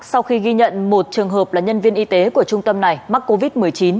sau khi ghi nhận một trường hợp là nhân viên y tế của trung tâm này mắc covid một mươi chín